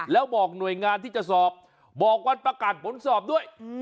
แล้วบอกหน่วยงานที่จะสอบบอกวันประกาศผลสอบด้วย